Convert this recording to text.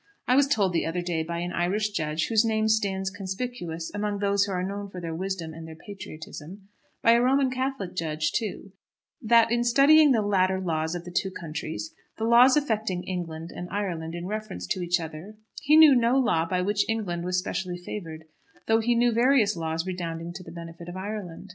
I was told the other day by an Irish Judge, whose name stands conspicuous among those who are known for their wisdom and their patriotism, by a Roman Catholic Judge too, that in studying the latter laws of the two countries, the laws affecting England and Ireland in reference to each other, he knew no law by which England was specially favoured, though he knew various laws redounding to the benefit of Ireland.